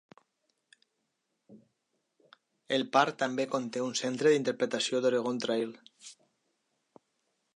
El parc també conté un centre d'interpretació d'Oregon Trail.